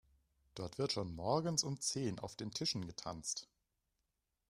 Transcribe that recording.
Dort wird schon morgens um zehn auf den Tischen getanzt.